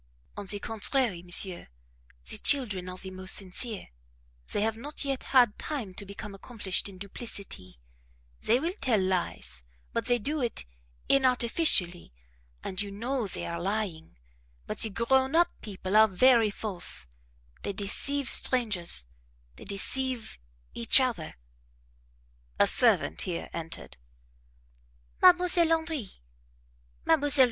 "On the contrary, monsieur the children are the most sincere; they have not yet had time to become accomplished in duplicity; they will tell lies, but they do it inartificially, and you know they are lying; but the grown up people are very false; they deceive strangers, they deceive each other " A servant here entered: "Mdlle. Henri Mdlle.